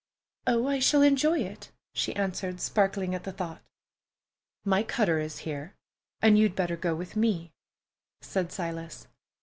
"Oh, I shall enjoy it," she answered, sparkling at the thought. "My cutter is here, and you'd better go with me," said Silas.